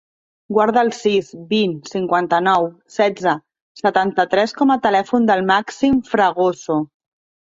Guarda el sis, vint, cinquanta-nou, setze, setanta-tres com a telèfon del Màxim Fragoso.